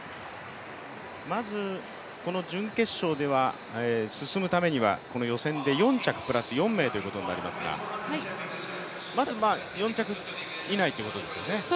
まずこの準決勝に進むためには予選で４着プラス４名ということになりますが、まず４着以内ということですよね。